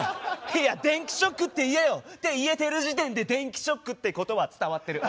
いや電気ショックって言えよ！って言えてる時点で電気ショックってことは伝わってる。